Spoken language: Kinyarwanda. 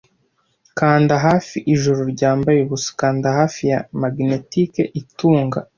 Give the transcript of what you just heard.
Kanda hafi ijoro ryambaye ubusa - kanda hafi ya magnetique itunga!